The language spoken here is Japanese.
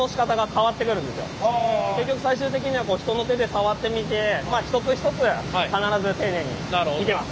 結局最終的にはこう人の手で触ってみてまあ一つ一つ必ず丁寧に見てます。